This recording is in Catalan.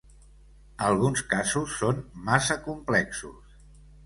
Alguns casos són massa complexos.